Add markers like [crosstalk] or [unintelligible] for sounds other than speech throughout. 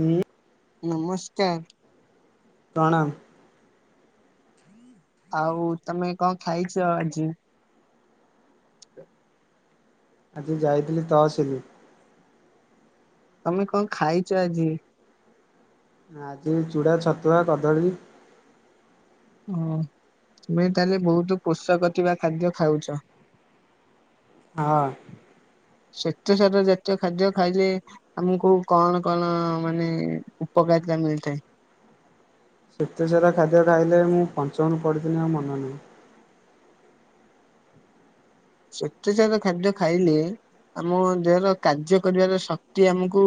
ଉଁ। ନମସ୍କାର। ପ୍ରଣାମ୍। ଆଉ ତମେ କଣ ଖାଇଚ ଆଜି? ଆଜି ଯାଇଥିଲି ତହସିଲି। ତମେ କଣ ଖାଇଚ ଆଜି? ଆଜି ଚୁଡ଼ା, ଛତୁଆ, କଦଳୀ ଓ ତୁମେ ତାହେଲେ ବହୁତ ପୋଷକ ଥିବା ଖାଦ୍ୟ ଖାଉଚ। ହଁ। ଶ୍ଵେତସାର ଜାତୀୟ ଖାଦ୍ୟ ଖାଇଲେ ଆମକୁ କଣ କଣ ମାନେ ଉପକାରିତା ମିଳିଥାଏ? ଶ୍ଵେତସାରା ଖାଦ୍ୟ ଖାଇଲେ ମୁଁ ପଞ୍ଚମରେ ପଢିଥିଲି ଆଉ ମନେ ନାହିଁ। ଶ୍ଵେତସାର ଖାଦ୍ୟ ଖାଇଲେ ଆମ ଦେହର କାର୍ଯ୍ୟ କରିବାର ଶକ୍ତି ଆମକୁ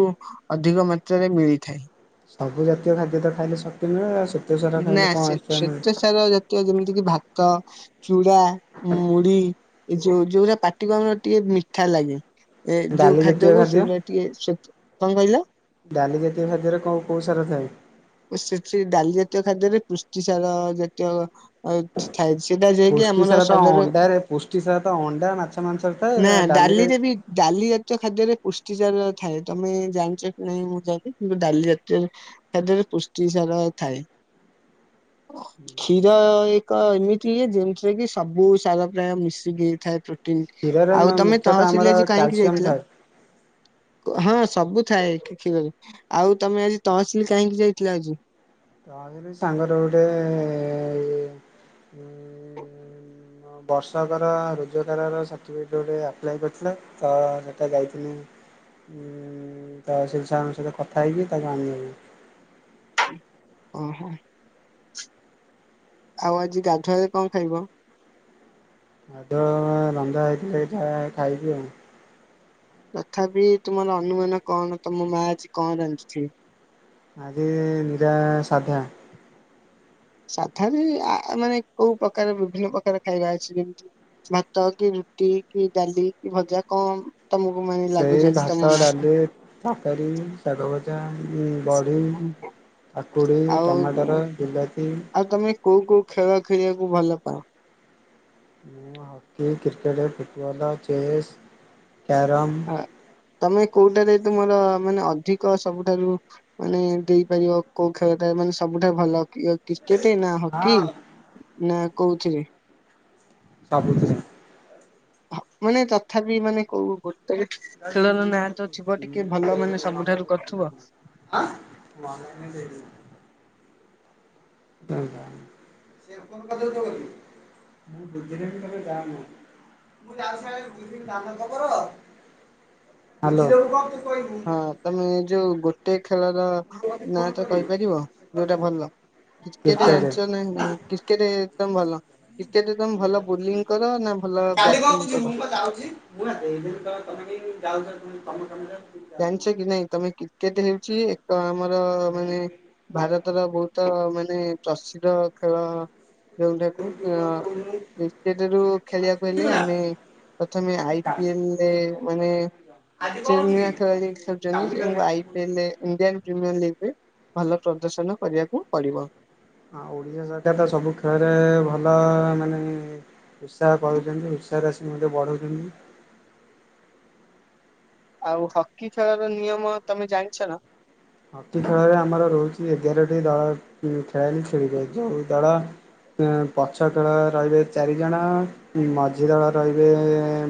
ଅଧିକ ମାତ୍ରାରେ ମିଳିଥାଏ। ସବୁ ଜାତୀୟ ଖାଦ୍ୟ ତ ଖାଇଲେ ଶକ୍ତି ମିଳେ ଆଉ ଶ୍ଵେତସାର ନା ଖାଇଲେ ସେ କଣ ଏକ୍ସଟ୍ରା ମିଳେ? [unintelligible] ଜାତୀୟ ଯେମିତି କି ଭାତ ଚୁଡ଼ା, ମୁଢି ଏ ଯୋଉ ଯୋଉରା ପାଟିକୁ ଆମର ଟିକେ ମିଠା ଲାଗେ ଏ ଯୋଉ ଡାଲି ଜାତୀୟ ଖାଦ୍ୟକୁ ଖାଦ୍ୟ ସେଇଟା ଶ୍ଵେ ଟିକେ କଣ କହିଲ? ଡାଲି ଜାତୀୟ ଖାଦ୍ୟରେ କଉ କଉ ସାର ଥାଏ? ସେଠି ଡାଲି ଜାତୀୟ ଖାଦ୍ୟରେ ପୁଷ୍ଟିସାର ଜାତୀୟ ଆ ଥାଏ। ସେଟା ଯାଇକି ପୁଷ୍ଟି ଆମର ସାର ତ ସଜର ଅଣ୍ଡାରେ ପୁଷ୍ଟି ସାର ତ ଅଣ୍ଡା ମାଛ ମାଂସରେ ନା ଥାଏ ଡାଲିରେ ବି ଡାଲି ଜାତୀୟ ଖାଦ୍ୟରେ ପୁଷ୍ଟିସାର ଥାଏ ତମେ ଜାଣିଚ କି ନାହିଁ ମୁଁ ଜାଣିନି କିନ୍ତୁ ଡାଲି ଜାତୀୟ ଖାଦ୍ୟରେ ପୁଷ୍ଟି ସାର ଥାଏ। କ୍ଷୀର ଏକ ଏମିତି ଇଏ ଯେମଥିରେ କି ସବୁ ସାର ପ୍ରାୟ ମିଶିକି ଥାଏ। କ୍ଷୀରରେ ଆଉ ତମେ ମୁଖ୍ୟତଃ ଆମର ତହସିଲ ଆଜି କାହିଁକି କ୍ୟାଲସିୟମ ଯାଇଥିଲ? ଥାଏ। ହଁ ସବୁ ଥାଏ କିଖରେ ଆଉ ତମେ ଆଜି ତହସିଲି କାହିଁକି ଯାଇ [unintelligible] ତଥିଲୁ ସାଙ୍ଗର ଗୋଟେ ତ ବର୍ଷକର ରୋଜଗାରର ସାର୍ଟିଫିକେଟ୍ ଗୋଟେ ଆପ୍ଲାଏ କରିଥିଲେ ତ ସେଟା ଯାଇଥିଲି ତ ସେ ସାରଙ୍କ ସହିତ କଥା ହେଇକି ତାକୁ ଆଣଦେବ ଓହୋ ଆଉ ଆଜି ଗାଧୁଆଳେ କଣ ଖାଇବ? ମାଦ ରନ୍ଧା ହେଇଥିଲା ଯା ଖାଇବି ଆଉ ତଥାପି ତୁମର ଅନୁମାନ କଣ ତମ ମା ଆଜି କଣ ରନ୍ଧିଥିବେ ଆଜି ନିଜା ସାଧା ସାଧା ବି ଆ -ମାନେ କୋଉ ପ୍ରକାର ବିଭିନ୍ନ ପ୍ରକାର ଖାଇବା ଅଛି ଯେମିତି ଭାତ କି ରୁଟି କି ଡାଲି କି ଭଜା କଣ ତମକୁ ମାନେ ଲାଗୁଛନ୍ତି ତମ ମା ତା କରିରି ଶାଗଭଜା ବଢି କାକୁଡ଼ି ଆଉ ଟମାଟର ବିଲାତି ଆଉ ତମେ କୋଉ କୋଉ ଖେଳ ଖେଳିବାକୁ ଭଲ ପାଉ ମୁଁ hockey cricket football chess carrom ହ ତମେ କୋଉଟାରେ ତୁମର ମାନେ ଅଧିକ ସବୁଠାରୁ ମାନେ ଦେଇପାରିବ କୋଉ ଖେଳଟା ମାନେ ସବୁଠାରୁ ଭଲ କି କ୍ରିକେଟ ନା ହକି ହଁ ନା କୋଉଥିରେ ସବୁଥିରେ ମାନେ ତଥାପି ମାନେ କୋଉ ଗୋ ଖେଳର ନାଁ ତ ଥିବ ଟିକେ ଭଲ ମାନେ ସବୁଠାରୁ କରୁଥିବ ଆ ଛା ସେ କଣ କଦରେ ତ କରିବି [unintelligible] ମୁଁ ବୁଧିନ ବି ତେ ଯାନ ମୁଁ ଯଙ୍ଗ ବୁିନ ଯାଥବର [unintelligible] ହା ଲୋ ହଁ ତମେ ଏ ଯୋଉ ଗୋଟେ ଖେଳର ନା ତ କହିପାରିବ ଯୋଉଟା ଭଲ କ୍ରିକେଟ ଜାଣିଛ ନା କ୍ରିକେଟ ମ ଭଲ କ୍ରିକେଟ ତମେ ଭଲ ବୋଲିଂ କର ନା ଭଲ ବ୍ୟାଟିଂ କର ଯାଉଛି ମୁଁ ଆ ଏଇି ତେ ତମେ କେହି ଯାଉଛ ତମେ ତମ କାମରେ ଜାଣିଛ କି ନାଇଁ ତମେ କ୍ରିକେଟ ହେଉଛି ଏକ ଆମର ମାନେ ଭାରତର ବହୁତ ତ ମାନେ ପ୍ରସିଦ୍ଧ ଖେଳ ଯୋଉଟାକୁ କ୍ରିକେଟ ରୁ ଖେଳିବାକୁ ହେଲେ ଆମେ ପ୍ରଥମେ ଆଇ ପିଏଲରେ ମାନେ ଆଜି କଣ କି ଖେଳ ଖେଳୁଛନ୍ତି ଏବଂ I PIL Indian premier league ଉ ଭଲ ପ୍ରଦର୍ଶନ କରିବାକୁ ପଡିବ ହଁ ଓଡ଼ିଶା ସରକାର ତ ସବୁ ଖେଳରେ ଭଲ ମାନେ ଉତ୍ସାହ କରୁଛନ୍ତି ଉତ୍ସାହରେ ଆସିିକି ମଧ୍ୟ ବଢଉଛନ୍ତି ଆଉ ହକି ଖେଳର ନିୟମ ତମେ ଜାଣିଛ ନା ହକି ଖେଳରେ ଆମର ରହୁଛି ଏଗାରଟି ଦଳ ଖେଳାଳି ଖେଳିବେ ଯୋଉ ଦଳ ଉ ପଛ ଖେଳ ରହିବେ ଚାରିଜଣ ମାଝି ଦଳ ରହିବେ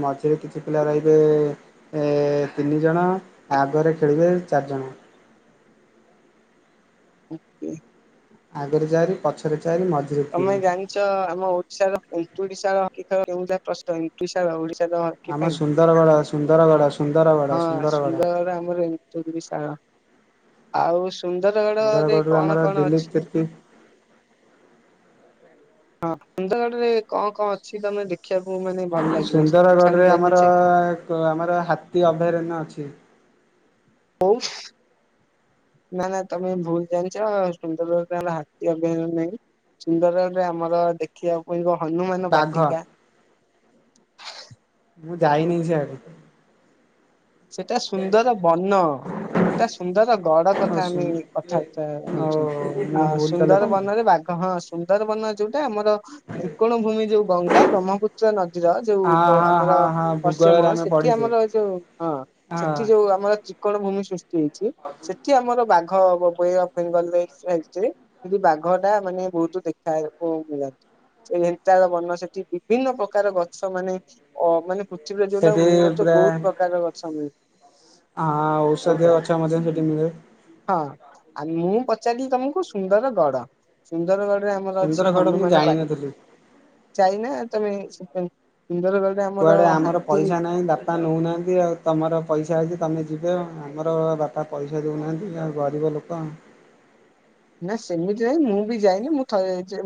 ମଝିରେ କିଛି ପିଲା ରହିବେ ଏ ତିନି ଜଣ ଆଗରେ ଖେଳିବେ ଚାରିଜଣ ଆଞେ [unintelligible] ଆଗରେ ଚାରି ପଛରେ ଚାରି ମଝି ତମେ ଜାଣିଛ ଆମ ଓଡିଶାର ଏୁଡିଶାର କି ଯା ପ୍ରଶ୍ନ ଏୁଶାର ଓଡିଶାର [unintelligible] କି ଆମ ପାଇଁ ସୁନ୍ଦରଗଡ଼ ସୁନ୍ଦରଗଡ଼ ସୁନ୍ଦରଗଡ଼ ହଁ ସୁନ୍ଦରଗଡ଼ ସୁନ୍ଦରଗଡ ଆମର [unintelligible] ଆଉ ସୁନ୍ଦରଗଡ ରେ କଣ କଣ ଅଛି? କି [inaudible] ହଁ ସୁନ୍ଦରଗଡ଼ ରେ କଣ କଣ ଅଛି ତମେ ଦେଖିବାକୁ ମାନେ ଭଲ ଲାଗିବ ସେଠି ଛାଡି ଯାଇଛେ। କେ ଆମର ହାତୀ ଅଭୟାରଣ୍ୟ ଅଛି। ହଉ। ନା ନା ତମେ ଭୁଲ ଜାଣିଛ ସୁନ୍ଦରଗଡରେ ହାତୀ ଅଭୟାରଣ୍ୟ ନାହିଁ। ସୁନ୍ଦରଗଡରେ ଆମର ଦେଖିବାକୁ ହନୁମାନ ବାଘ ବାଟିକା। ମୁଁ ଯାଇନି ସେ ଆଡେ। ସେଟା ସୁନ୍ଦରବନ। ଏଟା ସୁନ୍ଦର ଗଡ କଥା ଆମେ ସିଆଡ଼େ। କଥାବାର୍ତ୍ତା ଓ ହେଉଛନ୍ତି। ମୁଁ ଆଁ ଭୁଲ ତାହେଲେ କହିଲି ସୁନ୍ଦରବନରେ ବାଘ ହଁ ସୁନ୍ଦରବନରେ ଯୋଉଟା ଆମର ତ୍ରିକୋଣ ଭୂମି ଯୋଉ ଗଙ୍ଗା ବ୍ରହ୍ମପୁତ୍ର ନଦୀର ହଁ ଯୋଉ ହଁ ଆମର ହଁ ହଁ ଭୂଗୋଳରେ ପଶ୍ଚିମବଙ୍ଗ ଆମେ ସେଠି ପଢିଛେ। ଆମର ଯୋଉ ହଁ ହଁ ସେଠି ଯୋଉ ଆମର ତ୍ରିକୋଣ ଭୂମି ସୃଷ୍ଟି ହେଇଛି। ସେଠି ଆମର ବାଘ ଗବଇ ବେଙ୍ଗଲ [unintelligible] କିନ୍ତୁ ବାଘଟା ମାନେ ବହୁତ ଦେଖା ହଉଥିଲା। ହେନ୍ତାଳ ବନ ସେଠି ବିଭିନ୍ନ ପ୍ରକାର ଗଛ ମାନେ ଅ ମାନେ [unintelligible] ଯୋଉଟା ସେଠି ମିଳୁ [unintelligible] ବହୁତ ପ୍ରକାର ଗଛ ମିଳେ। ଆଁ ଔଷଧୀୟ ଗଛ ମଧ୍ୟ ସେଠି ମିଳେ। ହଁ ଆ ମୁଁ ପଚାରିଲି ତମକୁ ସୁନ୍ଦର ଗଡ। ସୁନ୍ଦରଗଡରେ ଆମର ଅଛି ସୁନ୍ଦରଗଡ଼ ମୁଁ ହନୁମାନ ବା ଜାଣିନଥିଲି ଯାଇନା ତମେ ସୁ ସୁନ୍ଦର କୁଆଡେ ଆମର ପଇସା ନାହିଁ ତା ବାପା ନଉନାହାନ୍ତି ଆଉ ତମର ପଇସା ଅଛି ତୁମେ ଯିବେ ଆମର ବାପା ପଇସା ଦଉନାହାନ୍ତି ଆଉ ଗରିବ ଲୋକ। ନା ସେମିତି ନାଇଁ ମୁଁ ବି ଯାଇନି ମୁଁ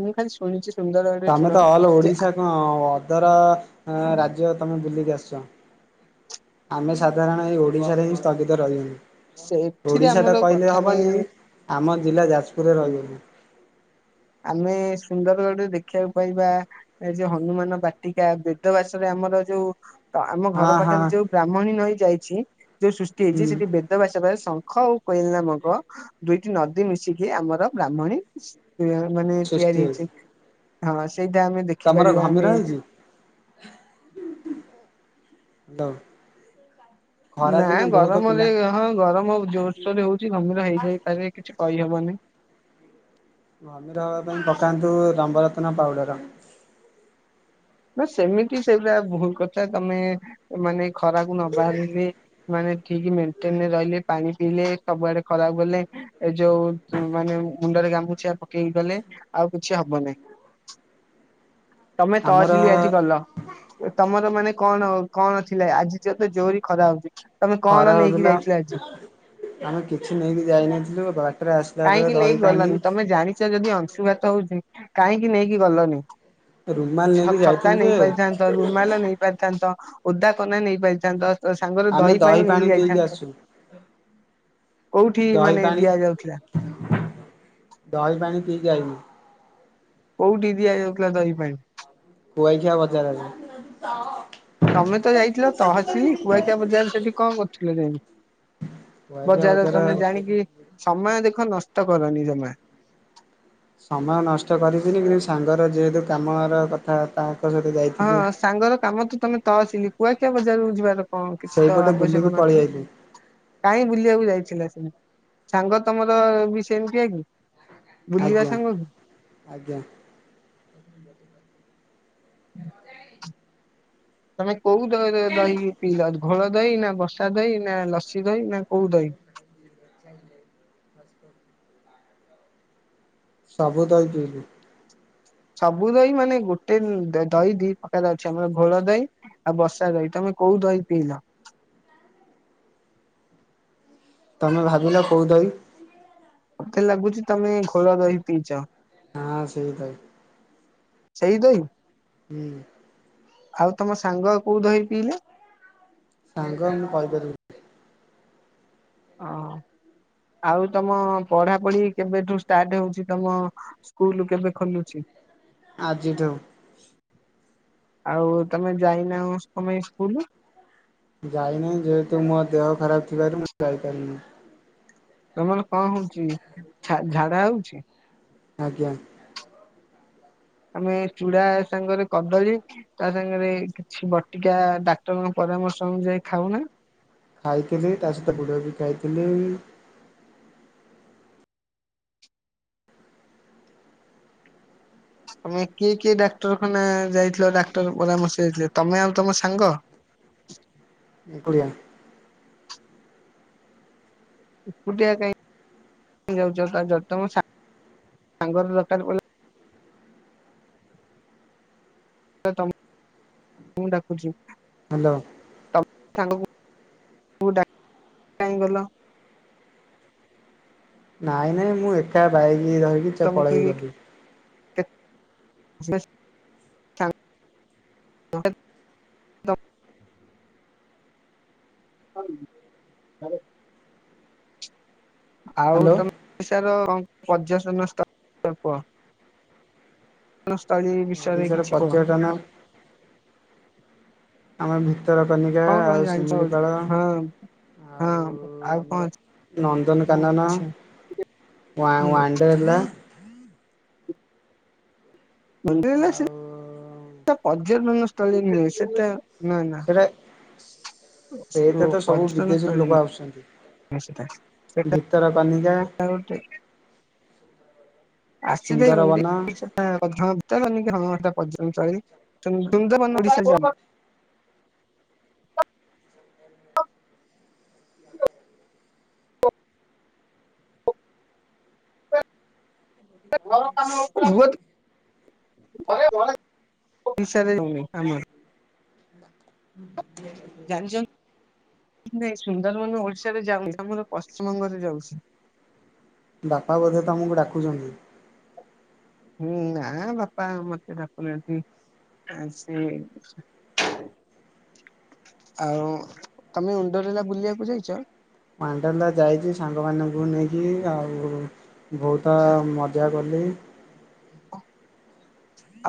ମୁଁ ଖାଲି ଶୁଣିଛି ସୁନ୍ଦରଗଡ ରେ ତମେ ତ ଶୁଣ ଅଲ୍ ଯେ ଓଡ଼ିଶା ଆ କଣ ଅଧର ରାଜ୍ୟ ତମେ ବୁଲିକି ଆସିଛ। ଆମେ ସାଧାରଣ ଏଇ ଓଡିଶାରେ ହିଁ ସ୍ଥଗିତ ରହିବୁ। ସେଠିରେ ଓଡିଶା ଟା ଆମର କହିଲେ କଥା ହବନି ନାହିଁ ଆମ ଜିଲ୍ଲା ଯାଜପୁରରେ ରହିଗଲି। ଆମେ ସୁନ୍ଦରଗଡରେ ଦେଖିବାକୁ ପାଇବା ଏ ଯୋଉ ହନୁମାନ ବାଟିକା ବେଦବାସରେ ଆମର ଯୋଉ ତ ଆମ ହଁ ଘର ହଁ ପାଖରେ ଯୋଉ ବ୍ରାହ୍ମଣୀ ନଇ ଯାଇଛି ଯୋଉ ସୃଷ୍ଟି ହେଇଛି ହୁଁ ସେଠି ବାସ ଶଙ୍ଖ ଆଉ କୋଇଲା ନାମକ ଦୁଇଟି ନଦୀ ମିଶିକି ଆମର ବ୍ରାହ୍ମଣୀ ମାନେ ତିଆରି ହେଇଛି ହଁ ସେଇଟା ଆମେ ଦେଖି ତମର ଘମିର ହେଇଛି? ଦ [unintelligible] ନା ଗରମରେ ହଁ ଗରମ ଜୋରସୋରରେ ହଉଛିି ଘମିରେ ହେଇଯାଇପରେ କିଛି କହିହବନି। ଘମିର ହବା ପାଇଁ ପକାନ୍ତୁ ରମ୍ବରତ୍ନ ପାଉଡର। ନା ସେମିତି ସେଇଗୁରା ଭୁଲ କଥା ତମେ ମାନେ ଖରାକୁ ନ ବାହାରିଲେ ମାନେ ଠିକ ମେଣ୍ଟେନରେ ରହିଲେ ପାଣି ପିଇଲେ ସବୁଆଡେ ଖରାକୁ ଗଲେ। ଏ ଯୋଉ ମାନେ ମୁଣ୍ଡରେ ଗାମୁଛା ପକେ ଏଇ ଗଲେ ଆଉ କିଛି ହବନି ତମେ ଆମର ତହସିଲି ଆଜି ଗଲ। ତମର ମାନେ କଣ କଣ ଥିଲା ଆଜି ତ ଜୋରରେ ଖରା ହଉଛି। ତମେ ଖରା କଣ ନେଇକି ହଉଥିଲା ଯାଇଥିଲ ଆଜି। ଆମେ କିଛି ନେଇକି ଯାଇନଥିଲୁ ବାଟରେ ଆସିଲା ବେଳେ ଦହି ପାଣି ଚ ଯଦି ଅଂଶୁଘାତ ହଉଛି କାହିଁକି ନେଇକି ଗଲନି? ରୁମାଲ ଛ ନେଇକି ଛତା ଯାଇଥିଲୁ ନେଇ ଯେ ପାରଥାନ୍ତ ରୁମାଲ ନେଇ ପାରିଥାନ୍ତ ଓଦାକନା ନେଇ ପାରିଥାନ୍ତ। ତ ସାଙ୍ଗରେ ଆମେ ଦହି ପାଣି ନେଇକି ପିଇକି ଯାଇଥାନ୍ତ। ଆସୁ। କୋଉଠି ଦହି ମାନେ ପାଣି ଦିଆଯାଉଥିଲା। ଦହି ପାଣି ପିଇକି ଆଇବି। କୋଉଠି ଦିଆଯାଉଥିଲା ଦହି ପାଣି। କୁଆଖିଆ ବଜାରରେ। ତମେ ତ ଯାଇଥିଲ ତହସିଲି କୁଆଖିଆ ବଜାରରେ ସେଠି କଣ କରୁଥିଲ ଯାଇକି। କୁଆଖିଆ ବଜାରରେ ବଜାର ତମେ ଜାଣିକି ସମୟ ଦେଖ ନଷ୍ଟ କରନି ଜମା। ସମୟ ନଷ୍ଟ କରିବିନି କିନ୍ତୁ ସାଙ୍ଗର ଯେହେତୁ କାମର କ ତା ତାଙ୍କ ସହିତ ଯାଇ ହଁ ସାଙ୍ଗର କାମ ତ ତମେ ତହସିଲି କୁଆଖିଆ ବଜାରକୁ ଯିବାର କଣ କିଛି ତ ସେଇପଟେ ବୁଲିକି ଆବଶ୍ୟକ ପଳେଇ ନଥିଲା। ଆଇଲୁ କାହିଁ ବୁଲିବାକୁ ଯାଇଥିଲା ସେ ସାଙ୍ଗ ତମର ବି ସେମିତିଆ କି? ବୁଲିବା ଆଜ୍ଞା ସାଙ୍ଗ କି? ଆଜ୍ଞା। ତମେ କୋଉ ଦ ଦହି ପିଇଲ ଘୋଳ ଦହି ନା ବସା ଦହି ନା ଲସି ଦହି ନା କୋଉ ଦହି। ସବୁ ଦହି ପିଇଲି। ସବୁ ଦହି ମାନେ ଗୋଟେ ଦହି ଦି ପ୍ରକାର ଅଛି ଆମର ଘୋଳ ଦହି। ଆଉ ବସା ଦହି ତମେ କୋଉ ଦହି ପିଇଲ। ତମେ ଭାବିଲ କଉ ଦହି? ମତେ ଲାଗୁଛି ତମେ ଘୋଳ ଦହି ପିଇଛ। ହଁ ସେଇ ଦହି। ସେଇ ଦହି। ହୁଁ। ଆଉ ତମ ସାଙ୍ଗ କୋଉ ଦହି ପିଇଲେ? ସାଙ୍ଗ ମୁଁ କହିପାରିବି। ଓ ଆଉ ତମ ପଢାପଢି କେବେଠୁ ଷ୍ଟାର୍ଟ ହଉଛି ତମ ସ୍କୁଲୁ କେବେ ଖୋଲୁଛି? ଆଜିଠୁ। ଆଉ ତମେ ଯାଇନାହ କଣ ପାଇଁ ସ୍କୁଲୁ? ଯାଇନାହିଁ ଯେହେତୁ ମୋ ଦେହ ଖରାପ ଥିବାରୁ ମୁଁ ଯାଇପାରିଲିନି। ତମର କଣ ହଉଛି ଝା ଝାଡା ହଉଛି। ଆଜ୍ଞା। ଆମେ ଚୁଡା ସାଙ୍ଗରେ କଦଳୀ। ତା ସାଙ୍ଗରେ କିଛି ବଟିକା ଡାକ୍ତରଙ୍କ ପରାମର୍ଶ ଅନୁଯାୟୀ ଖାଉ ନା। ଖାଇଥିଲି ତା ସହିତ ଗୁଡ଼ ବି ଖାଇଥିଲି। ତମେ କିଏ କିଏ ଡାକ୍ତରଖାନା ଯାଇଥିଲ ଡାକ୍ତର ପରାମର୍ଶ ଦେଇଥିଲେ ତମେ ଆଉ ତମ ସାଙ୍ଗ। ଏକୁଡିଆ। ଏକୁଟିଆ କାଇଁ ଯାଉଛ କାଜଲ ତମ ସାଙ୍ଗର ଦରକାର ପଡି ତମ ମୁଁ ଡାକୁଛି। ହାଲୋ। ତମ ସାଙ୍ଗକୁ ଡାକି କାଇଁ ଗଲ। ନାଇଁ ନାଇଁ ମୁଁ ଏକା ବାଇକି ଧରିକି ଚ ତମକୁ ପଳେଇ ଗଲି। ହଁ କି। ଆଉ ହ୍ୟାଲୋ ତମେ ଓଡିଶାର ପର୍ଯ୍ୟଟନ ସ୍ଥାନ କୁହ। [unintelligible] ସ୍ଥଳି। ଓଡିଶାର ପର୍ଯ୍ୟଟନ ଆମର ଭିତ ଭିତରକନିକା କଣ କଣ ଆଉ ଜାଣିଛ ହଁ ଶିମିଳିପାଳ। ହଁ ଆଉ ଆଉ କଣ ଆମର ଅଛି? ନନ୍ଦନକାନନ। ୱଣ୍ଡରଲା। ଯେତେହେଲେ ଆଉ ସିଏ ପର୍ଯ୍ୟଟନ ସ୍ଥଳୀ ନୁହେଁ ସେଟା ନା ନା। ସେଇତ ତ ସବୁ ପର୍ଯ୍ୟଟନ ବିଦେଶୀରୁ ସ୍ଥଳୀ ଲୋକ ଆସୁଛନ୍ତି। ନିଶ୍ଚିତ ସେଟା ଭିତରକନିକା। ଆସିଛିନ୍ତି ଏ ସୁନ୍ଦରବନ [unintelligible] ଓଡିଶା ରେ ହୋଉନି। [unintelligible] ଜାଣିଛନ୍ ନାଇଁ ସୁନ୍ଦରବନ ଓଡିଶାରେ ଯାଉନି ଆମର ପଶ୍ଚିମବଙ୍ଗରେ ଯାଉଛି। ବାପା ବୋଧେ ତମକୁ ଡାକୁଚନ୍ତି‌। ହୁଁ ନାଁ ବାପା ମତେ ଡାକୁନାହାନ୍ତି। ଆଁ ସେ ଆଉ ତମେ ଉଣ୍ଡରେଲା ବୁଲିବାକୁ ଯାଇଚ? ୱାଣ୍ଡରେଲା ଯାଇଛି ସାଙ୍ଗମାନଙ୍କୁ ନେଇକି ଆଉ ବୋହୁତ ମଜା ଗଲି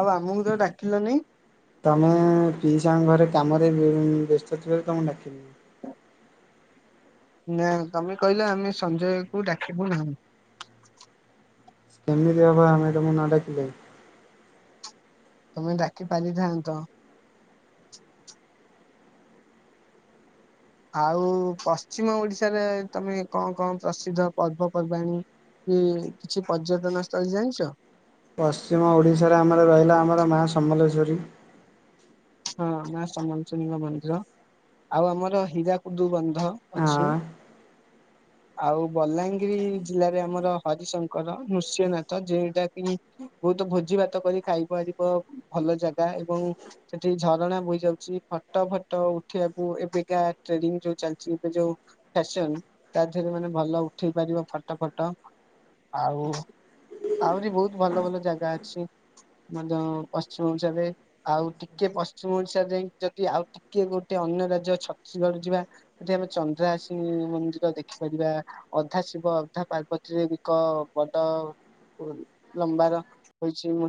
ଆଉ ଆମୁକୁ ତ ଡାକିଲ ନେଇ? ତମେ ପିଇ ସାଙ୍ଗ ଘରେ କାମରେ ବ୍ୟସ୍ତ ଅଥିବ ବୋଲି ତମକୁ ଡାକିଲୁନି। ନାଁ ତମେ କହିଲ ଆମେ ସଞ୍ଜୟ କୁ ଡାକିବୁ ନାହିଁ। କେମିତି ହବ ତମୁକୁ ନ ଡାକିଲେ? ତମେ ଡାକି ପାରିଥାନ୍ତ। ଆଉ ପଶ୍ଚିମ ଓଡିଶାରେ ତମେ କଁ କଁ ପ୍ରସିଦ୍ଧ ପର୍ବପର୍ବାଣୀ ହୁଁ କିଛି ପର୍ଯ୍ୟଟନ ସ୍ଥଳୀ ଜାଣିଚ? ପଶ୍ଚିମ ଓଡ଼ିଶାରେ ଆମର ରହିଲା ଆମର ମା ସମଲେଶ୍ୱରୀ। ହଁ ମା ସମଲେଶ୍ବରୀଙ୍କ ମନ୍ଦିର ଆଉ ଆମର ହୀରାକୁଦୁ ବନ୍ଧ ଅଛି। ହଁ ଆଉ ବଲାଙ୍ଗୀରି ଜିଲ୍ଲାରେ ଆମର ହରିଶଙ୍କର ନୃସ୍ୟନାଥ ଯେଇଟା କି ବୋହୁତ ଭୋଜି ଭାତ କରି ଖାଇ ପାରିବ ଭଲ ଜାଗା ଏବଂ ସେଠି ଝରଣା ବୋହି ଯାଉଛି ଫଟ ଫଟ ଉଠିବାକୁ ଏବେକା ଟେ ଯୋଉ ଚାଲିଛି ଏବେ ଯୋଉ ଫ୍ୟାସନ ତା ଦେହରେ ମାନେ ଭଲ ଉଠେଇ ପାରିବ ଫଟ ଫଟ ଆଉ ଆହୁରି ବୋହୁତ୍ ଭଲ ଭଲ ଜାଗା ଅଛି ମଧ୍ୟ ପଶ୍ଚିମ ଓଡିଶାରେ ଆଉ ଟି କିଏ ପଶ୍ଚିମ ଓଡିଶା ଯାଇଁ ଯଦି ଆଉ ଟିକେ ଗୋଟେ ଅନ୍ୟ ରାଜ୍ୟ ଛତିଶଗଡ ଯିବା। ଏଠି ଆମେ ଚନ୍ଦ୍ରହାସିନି ମନ୍ଦିର ଦେଖିପାରିବା। ଅଧା ଶିବ ଅଧା ପାର୍ବତୀରେ ଏକ ବଡ ଲମ୍ବାର ହୋଇଛି।